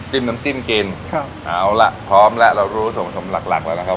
น้ำจิ้มกินครับเอาล่ะพร้อมแล้วเรารู้ส่วนผสมหลักหลักแล้วนะครับ